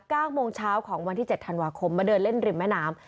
เก้าโมงเช้าของวันที่เจ็ดธันวาคมมาเดินเล่นริมแม่น้ำ